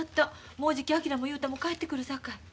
もうじき昭も雄太も帰ってくるさかい。